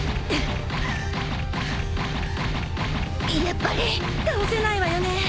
やっぱり倒せないわよね。